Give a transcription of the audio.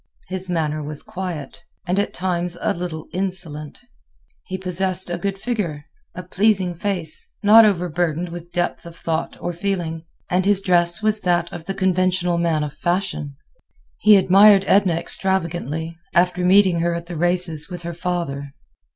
His manner was quiet, and at times a little insolent. He possessed a good figure, a pleasing face, not overburdened with depth of thought or feeling; and his dress was that of the conventional man of fashion. He admired Edna extravagantly, after meeting her at the races with her father.